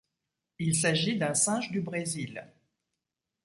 Il s'agit d’un singe du Brésil.